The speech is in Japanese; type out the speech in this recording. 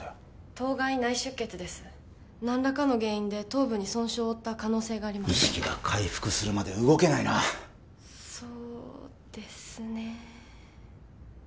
頭蓋内出血です何らかの原因で頭部に損傷を負った可能性が意識が回復するまで動けないなそうですねえ